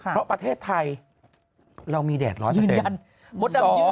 เพราะประเทศไทยเรามีแดดร้อยเฉพาะเต็ม